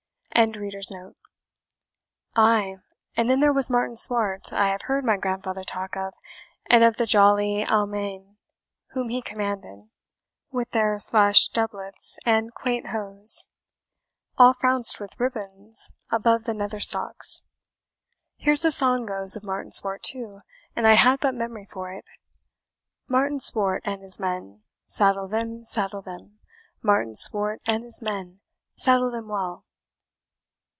] "Ay, and then there was Martin Swart I have heard my grandfather talk of, and of the jolly Almains whom he commanded, with their slashed doublets and quaint hose, all frounced with ribands above the nether stocks. Here's a song goes of Martin Swart, too, an I had but memory for it: 'Martin Swart and his men, Saddle them, saddle them, Martin Swart and his men; Saddle them well.'"